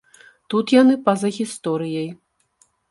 Тут яны па-за гісторыяй.